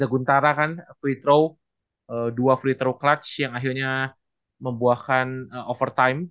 sementara kan free throw dua free throw clutch yang akhirnya membuahkan overtime